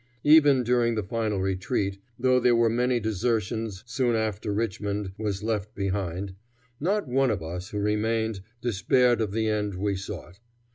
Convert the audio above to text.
Even during the final retreat, though there were many desertions soon after Richmond was left behind, not one of us who remained despaired of the end we sought.